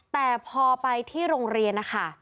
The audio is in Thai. แต่พอไปที่โรงเรียนนะคะ